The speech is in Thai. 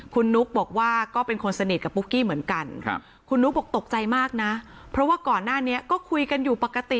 คุณนุ๊กบอกว่าก็เป็นคนสนิทกับปุ๊กกี้เหมือนกันคุณนุ๊กบอกตกใจมากนะเพราะว่าก่อนหน้านี้ก็คุยกันอยู่ปกติ